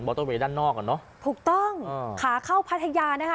อเตอร์เวย์ด้านนอกอ่ะเนอะถูกต้องอ่าขาเข้าพัทยานะคะ